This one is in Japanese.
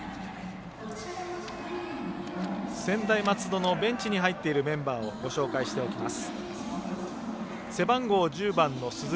専大松戸のベンチに入っているメンバーをご紹介しておきます。